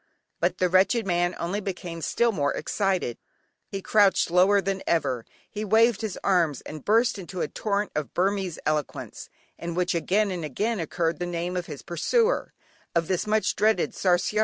But the wretched man only became still more excited, he crouched lower than ever, he waved his arms, and burst into a torrent of Burmese eloquence, in which again and again, occurred the name of his pursuer, of this much dreaded "Sarsiar."